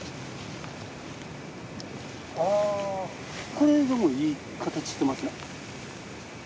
これでもいい形してますね。